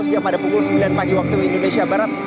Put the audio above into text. sejak pada pukul sembilan pagi waktu indonesia barat